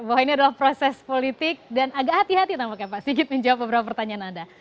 bahwa ini adalah proses politik dan agak hati hati tampaknya pak sigit menjawab beberapa pertanyaan anda